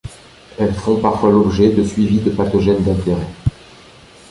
Elles font parfois l'objet de suivis de pathogènes d'intérêt.